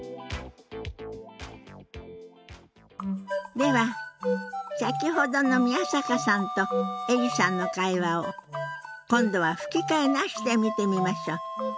では先ほどの宮坂さんとエリさんの会話を今度は吹き替えなしで見てみましょう。